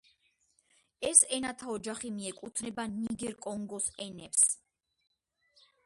ეს ენათა ოჯახი მიეკუთვნება ნიგერ-კონგოს ენებს.